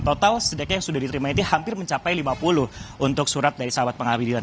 total setidaknya yang sudah diterima itu hampir mencapai lima puluh untuk surat dari sahabat pengadilan